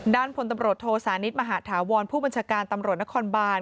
ด้านพลตำรวจโทสานิทมหาธาวรผู้บัญชาการตำรวจนครบาน